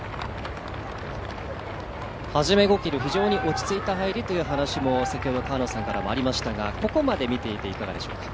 はじめ５ｋｍ非常に落ち着いた入りという話も先ほど河野さんからありましたがここまで見ていていかがでしょうか？